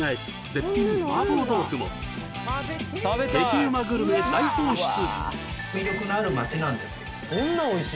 絶品麻婆豆腐も激うまグルメ大放出！